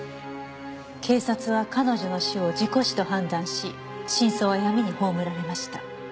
「警察は彼女の死を事故死と判断し真相は闇に葬られました」